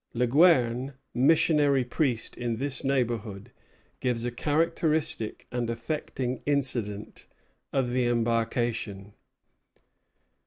Le Guerne, missionary priest in this neighborhood, gives a characteristic and affecting incident of the embarkation.